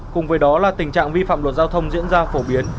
cùng với đó là tình trạng vi phạm luật giao thông diễn ra phổ biến